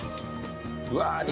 うわあ肉。